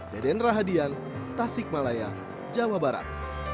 deden rahadian tasik malaya jawa barat